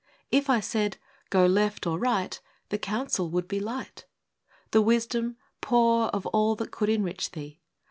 If I said, Go left or right, The counsel would be light, — The wisdom, poor of all that could enrich thee